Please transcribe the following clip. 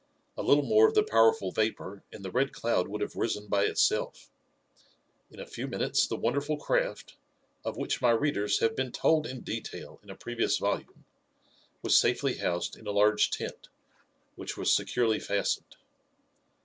A little more of the powerful vapor and the Red Cloud would have risen by itself. In a few minutes the wonderful craft, of which my readers have been told in detail in a previous volume, was safely housed in a large tent, which was securely fastened.